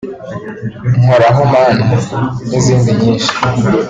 Nkoraho Mana n’izindi nyinshi